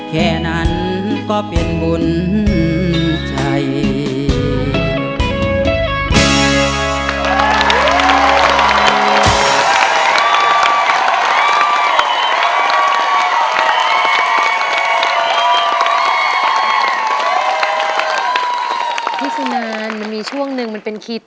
แค่นั้นก็เป็นบุญใจ